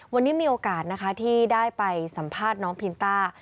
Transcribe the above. วันนี้มีโอกาสนะคะที่ได้ไปสัมภาษณ์น้องพินต้า